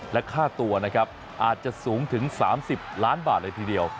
และค่าตัวนะครับอาจจะสูงถึง๓๐ล้านบาทเลยทีเดียว